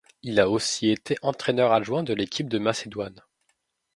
Il a aussi été entraîneur-adjoint de l'équipe de Macédoine.